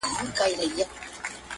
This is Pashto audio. ما کله په زخمونو کښې سپرلي نه دي ستایلي